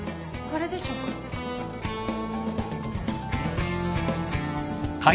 これでしょうか？